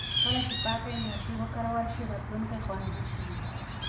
کله چې پاکه انرژي وکارول شي، راتلونکی خوندي شي.